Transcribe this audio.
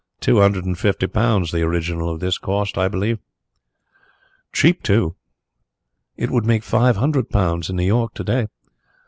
"Two hundred and fifty pounds the original of this cost, I believe." "Cheap, too; it would make five hundred pounds in New York to day.